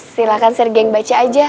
silahkan sergei baca aja